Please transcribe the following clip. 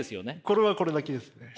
これはこれだけですね。